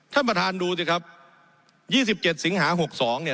ท่านประธานดูสิครับยี่สิบเจ็ดสิงหาหกสองเนี่ย